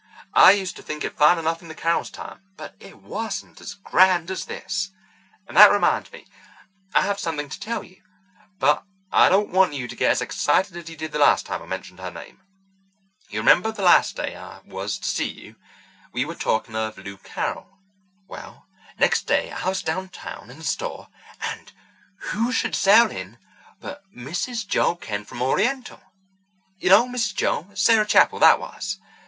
I used to think it fine enough in the Carrolls' time, but it wasn't as grand as this. And that reminds me, I have something to tell you, but I don't want you to get as excited as you did the last time I mentioned her name. You remember the last day I was to see you we were talking of Lou Carroll? Well, next day I was downtown in a store, and who should sail in but Mrs. Joel Kent, from Oriental. You know Mrs. Joel—Sarah Chapple that was?